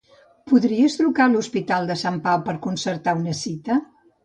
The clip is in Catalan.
Podries trucar a l'Hospital de Sant Pau per a concertar una cita?